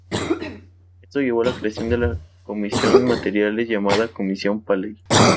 Esto llevó a la creación de la Comisión materiales, llamada comisión Paley.